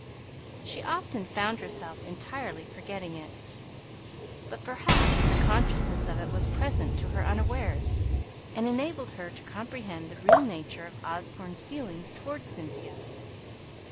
She even found herself often entirely forgetting it, but perhaps the consciousness of it was present to her unawares, and enabled her to comprehend the real nature of Osborne's feelings towards Cynthia.